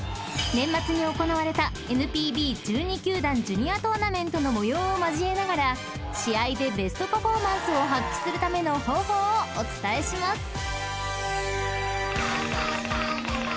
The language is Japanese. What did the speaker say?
［年末に行われたＮＰＢ１２球団ジュニアトーナメントの模様を交えながら試合でベストパフォーマンスを発揮するための方法をお伝えします］